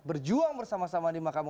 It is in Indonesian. berjuang bersama sama di makamu